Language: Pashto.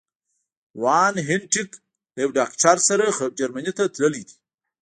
وان هینټیګ له یو ډاکټر سره جرمني ته تللي دي.